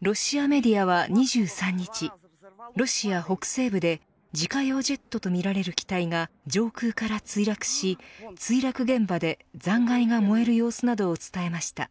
ロシアメディアは２３日ロシア北西部で自家用ジェットとみられる機体が上空から墜落し墜落現場で、残骸が燃える様子などを伝えました。